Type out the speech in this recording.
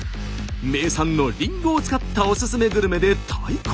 名産のりんごを使ったおすすめグルメで対抗。